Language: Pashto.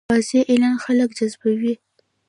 واضح اعلان خلک جذبوي.